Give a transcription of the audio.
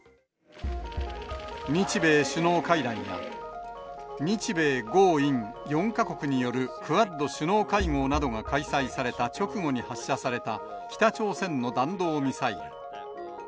日米首脳会談や、日米豪印４か国によるクアッド首脳会合などが開催された直後に発射された、北朝鮮の弾道ミサイル。